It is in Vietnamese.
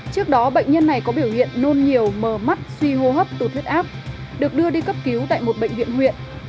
trước đó bệnh nhân này có biểu hiện nôn nhiều mờ mắt suy hô hấp tụt huyết áp được đưa đi cấp cứu tại một bệnh viện huyện